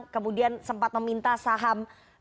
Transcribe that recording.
kemudian sempat meminta saham